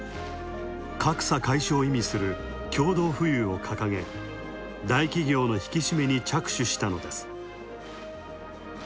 格差解消を意味する共同富裕を掲げ大企業の引き締めに着手したのです。